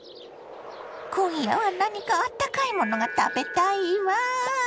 今夜は何かあったかいものが食べたいわ。